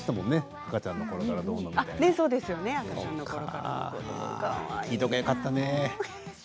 赤ちゃんのころからと聴いときゃよかったね。